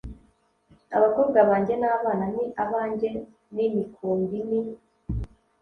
abakobwa banjye n abana ni abanjye n imikumbi ni